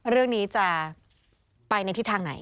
เรื่องนี้จะไปในทิศทางไหน